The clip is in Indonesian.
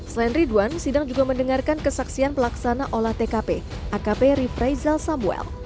selain ridwan sidang juga mendengarkan kesaksian pelaksana olah tkp akp rifraizal samuel